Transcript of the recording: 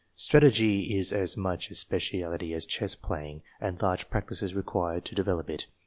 Strategy is as much a speciality as chess playing, and large practice is required to develop it.